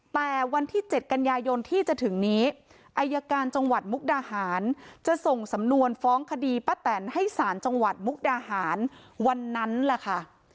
แต่วันที่๗กันยายนที่จะถึงนี้อายการจังหวัดมุกดาหารจะส่งสำนวนฟ้องคดีป้าแตนให้สารจังหวัดมุกดาหารวันนั้นแหละค่ะ